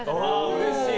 うれしい！